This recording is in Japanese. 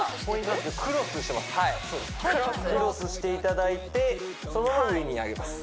クロスしていただいてそのまま上にあげます